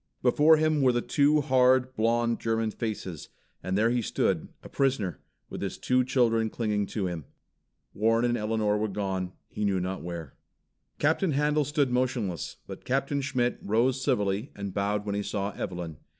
Before him were the two hard, blonde German faces, and there he stood, a prisoner, with his two children clinging to him. Warren and Elinor were gone, he knew not where. Captain Handel stood motionless, but Captain Schmitt rose civilly and bowed when he saw Evelyn.